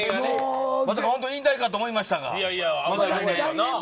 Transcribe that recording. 本当に引退かと思いましたが。